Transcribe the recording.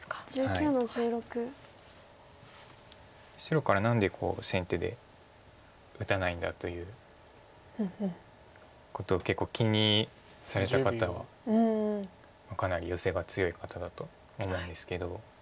白から何で先手で打たないんだということを結構気にされた方はかなりヨセが強い方だと思うんですけど。